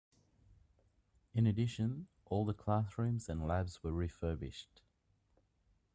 In addition, all the classrooms and labs were refurbished.